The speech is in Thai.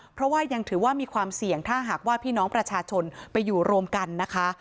เพราะว่ายังถือว่ามีความเสี่ยงถ้าหากว่าพี่น้องประชาชนไปอยู่รวมกันนะคะ